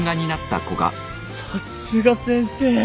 さすが先生。